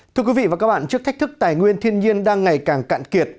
thưa quý vị và các bạn trước thách thức tài nguyên thiên nhiên đang ngày càng cạn kiệt